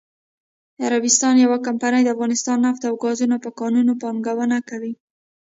عربستان یوه کمپنی دافغانستان نفت او ګازو په کانونو پانګونه کوي.😱